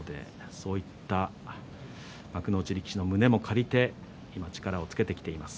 そういった幕内力士の胸も借りて力をつけてきています